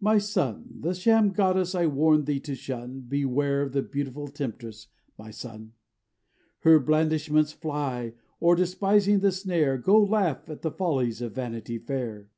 My son, the sham goddess I warn thee to shun, Beware of the beautiful temptress, my son; Her blandishments fly,—or, despising the snare, Go laugh at the follies of Vanity Fair.